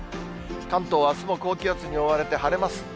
関東はあすも高気圧に覆われて晴れます。